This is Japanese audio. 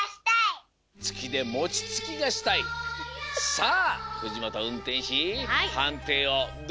さあ藤本うんてんしはんていをどうぞ。